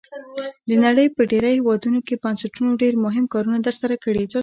د نړۍ په ډیری هیوادونو کې بنسټونو ډیر مهم کارونه تر سره کړي.